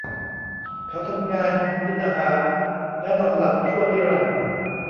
เขาทำงาน กินอาหารและนอนหลับชั่วนิรันดร์ !